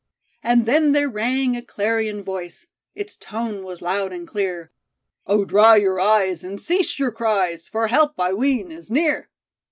And then there rang a clarion voice. It's tone was loud and clear. 'Oh, dry your eyes and cease your cries, For help, I ween, is near.